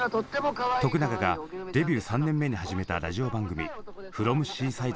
永がデビュー３年目に始めたラジオ番組「ＦｒｏｍＣＳｉｄｅ」です。